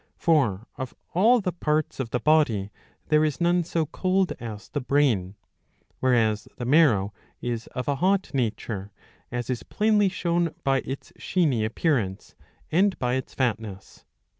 For of all the parts of the body there is none so cold as the brain ; whereas the marrow is of a hot nature, as is plainly shown by its sheeny appearance,^ and by its fatness.